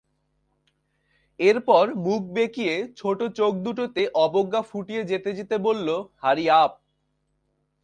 এরপর মুখ বেঁকিয়ে ছোট চোখ দুটোতে অবজ্ঞা ফুটিয়ে যেতে যেতে বলল, হারিআপ।